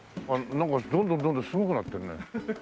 なんかどんどんどんどんすごくなってるね。